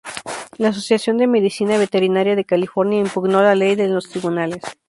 La Asociación de Medicina Veterinaria de California impugnó la ley en los tribunales.